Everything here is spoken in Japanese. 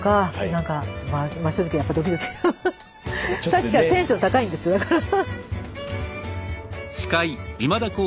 さっきからテンション高いんですよだから。